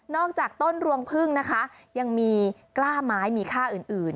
จากต้นรวงพึ่งนะคะยังมีกล้าไม้มีค่าอื่น